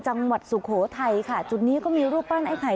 สุโขทัยค่ะจุดนี้ก็มีรูปปั้นไอ้ไข่